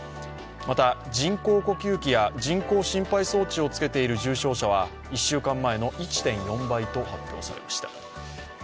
また人工呼吸器や人工心肺装置をつけている重症者は１週間前の１．４倍と発表されました。